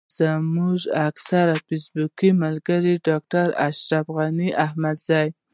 زموږ اکثره فېسبوکي ملګري ډاکټر اشرف غني احمدزی.